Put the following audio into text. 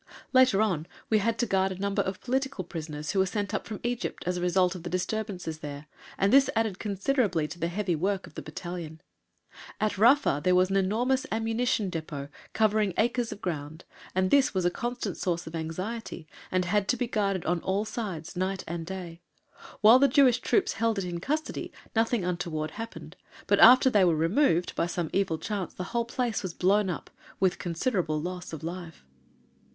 Later on we had to guard a number of political prisoners who were sent up from Egypt as a result of the disturbances there, and this added considerably to the heavy work of the battalion. At Rafa there was an enormous Ammunition Depôt, covering acres of ground, and this was a constant source of anxiety, and had to be guarded on all sides, night and day. While the Jewish troops held it in custody nothing untoward happened, but, after they were removed, by some evil chance the whole place was blown up with considerable loss of life.